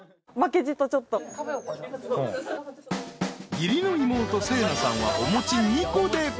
［義理の妹星奈さんはお餅２個で］